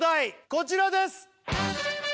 こちらです！